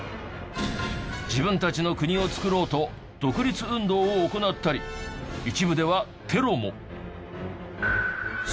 自分たちの国をつくろうと独立運動を行ったり一部ではテロも。